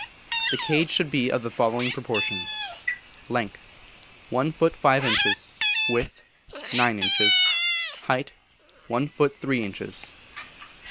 The cage should be of the following proportions: Length, one foot five inches; width, nine inches; height, one foot three inches.